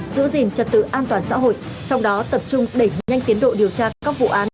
giữ gìn trật tự an toàn xã hội trong đó tập trung đẩy nhanh tiến độ điều tra các vụ án